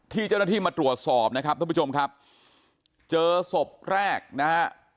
เจ้าหน้าที่มาตรวจสอบนะครับท่านผู้ชมครับเจอศพแรกนะฮะ